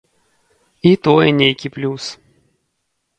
І тое нейкі плюс.